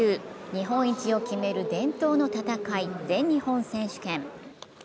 日本一を決める伝統の戦い、全日本選手権。